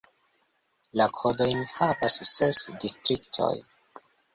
La kodojn havas ses distriktoj.